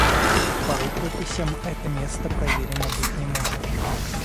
По рукописям это место проверено быть не может.